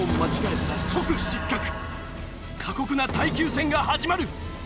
過酷な耐久戦が始まる。